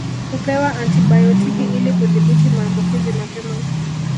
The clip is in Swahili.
Kupewa antibayotiki ili kudhibiti maambukizi mapema